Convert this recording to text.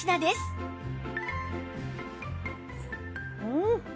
うん！